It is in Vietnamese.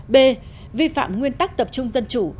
b vi phạm nguyên tắc tập trung dân chủ